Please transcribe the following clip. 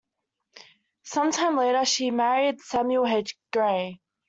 Sometime later, she married Samuel H. Gray.